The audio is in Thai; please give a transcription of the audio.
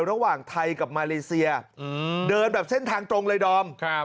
ระหว่างไทยกับมาเลเซียเดินแบบเส้นทางตรงเลยดอม